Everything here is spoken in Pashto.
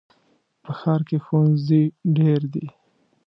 په ښار کې ښوونځي ډېر دي.